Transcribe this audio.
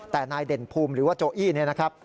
แต่นายเด่นภูมิหรือว่าโจอี้เนี่ยนะครับ